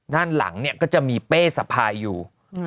ด้านหลังเนี่ยก็จะมีเป้สะพายอยู่